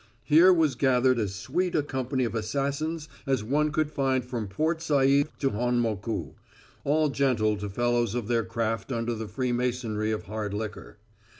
Here was gathered as sweet a company of assassins as one could find from Port Said to Honmoku, all gentle to fellows of their craft under the freemasonry of hard liquor.